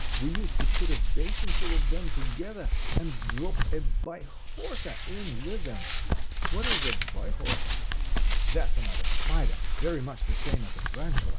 We used to put a basinful of them together and drop a bihorka in with them." "What is a bihorka?" "That's another spider, very much the same as a tarantula.